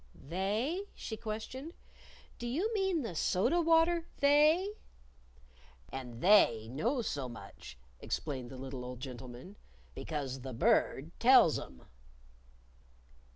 "They?" she questioned. "Do you mean the soda water They?" "And They know so much," explained the little old gentleman, "because the Bird tells 'em."